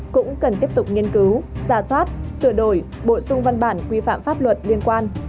cũng cần tiếp tục nghiên cứu giả soát sửa đổi bổ sung văn bản quy phạm pháp luật liên quan